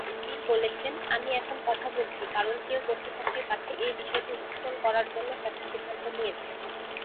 নিল বলেছেন: "আমি এখন কথা বলছি কারণ কেউ কর্তৃপক্ষের কাছে এই বিষয়টি উত্থাপন করার জন্য সঠিক সিদ্ধান্ত নিয়েছে"।